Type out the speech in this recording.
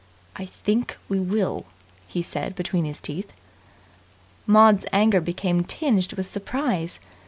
"I think we will!" he said between his teeth. Maud's anger became tinged with surprise.